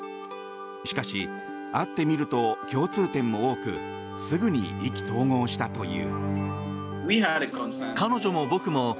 しかし、会ってみると共通点も多くすぐに意気投合したという。